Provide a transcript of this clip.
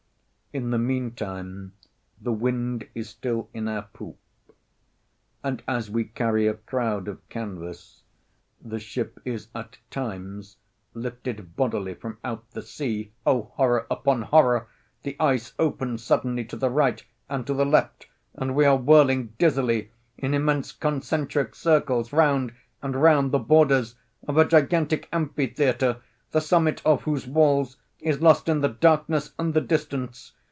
In the meantime the wind is still in our poop, and, as we carry a crowd of canvas, the ship is at times lifted bodily from out the sea! Oh, horror upon horror!—the ice opens suddenly to the right, and to the left, and we are whirling dizzily, in immense concentric circles, round and round the borders of a gigantic amphitheatre, the summit of whose walls is lost in the darkness and the distance.